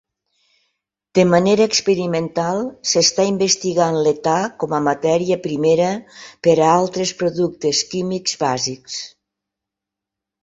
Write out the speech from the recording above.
De manera experimental, s'està investigant l'età com a matèria primera per a altres productes químics bàsics.